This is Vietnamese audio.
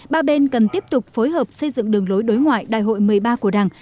ba bên cần tiếp tục phối hợp xây dựng đường lối đối ngoại đại hội một mươi ba của đảng